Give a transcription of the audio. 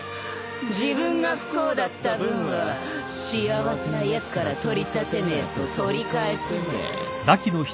自分が不幸だった分は幸せなやつから取り立てねえと取り返せねえ。